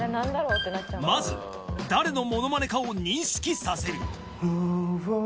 まず誰のモノマネかを認識させる